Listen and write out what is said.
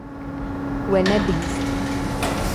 We nebihîst.